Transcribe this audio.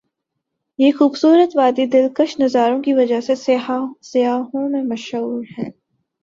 یہ خو بصورت وادی ا دل کش نظاروں کی وجہ سے سیاحوں میں مشہور ہے ۔